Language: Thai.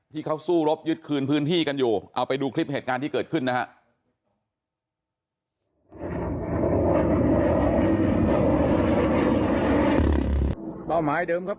ที่เขาสู้รบยึดคืนพื้นที่กันอยู่เอาไปดูคลิปเหตุการณ์ที่เกิดขึ้นนะฮะ